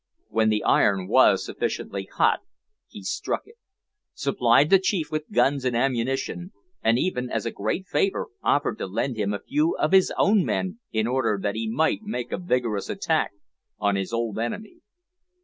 When the iron was sufficiently hot he struck it supplied the chief with guns and ammunition, and even, as a great favour, offered to lend him a few of his own men in order that he might make a vigorous attack on his old enemy.